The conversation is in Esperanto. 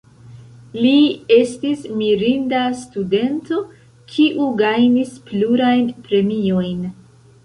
Li estis mirinda studento, kiu gajnis plurajn premiojn.